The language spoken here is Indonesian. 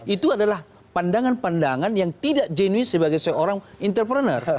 itu adalah pandangan pandangan yang tidak genus sebagai seorang entrepreneur